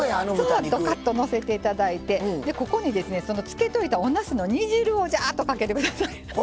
どかっと、のせていただいてここにつけておいたお肉の煮汁をじゃーっと、かけてください。